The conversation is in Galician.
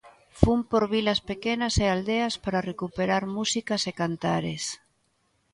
Fun por vilas pequenas e aldeas para recuperar músicas e cantares.